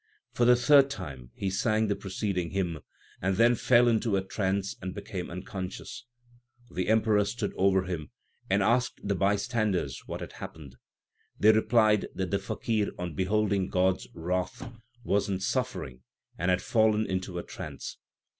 For the third time he sang the preceding hymn, and then fell into a trance and became unconscious. The Emperor stood over him, and asked the bystanders what had happened. They replied that the faqir, on beholding God s wrath, was in suffering, and had fallen into a trance.